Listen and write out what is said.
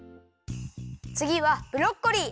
つぎはブロッコリー！